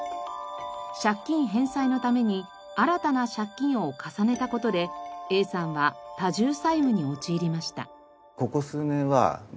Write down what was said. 借金返済のために新たな借金を重ねた事でＡさんは多重債務に陥りました。